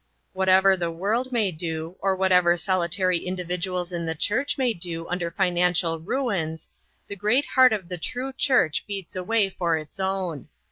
Whatever the world may do, or whatever solitary individ uals in the church may do under financial ruins, the great heart of the true church heats away for its own.